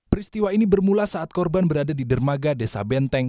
peristiwa ini bermula saat korban berada di dermaga desa benteng